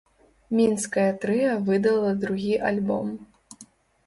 Мінскае трыа выдала другі альбом.